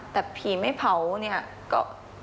แต่ผีไม่เผาเนี่ยก็